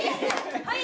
はい！